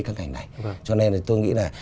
bộ ba ngày này cho nên tôi nghĩ là